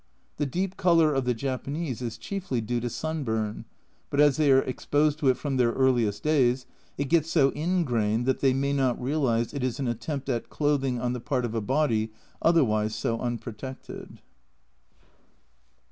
The deep colour of the Japanese is chiefly due to sunburn, but as they are exposed to it from their earliest days it gets so in grained that they may not realise it is an attempt at clothing on the part of a body otherwise so unprotected.